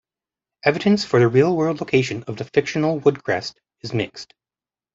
Evidence for the real-world location of the fictional Woodcrest is mixed.